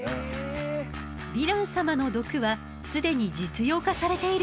ヴィラン様の毒は既に実用化されている分野もあるの。